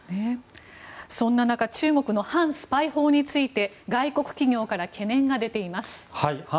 そんな中中国の反スパイ法について外国企業から懸念が出ています。